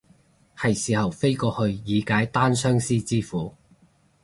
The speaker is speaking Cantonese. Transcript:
係時候飛過去以解單相思之苦